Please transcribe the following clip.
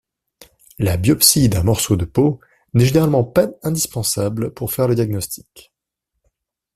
La biopsie d'un morceau de peau n'est généralement pas indispensable pour faire le diagnostic.